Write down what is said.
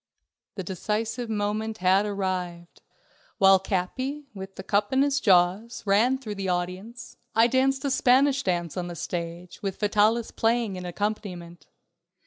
The decisive moment had arrived. While Capi, with the cup in his jaws, ran through the audience, I danced a Spanish dance on the stage, with Vitalis playing an accompaniment.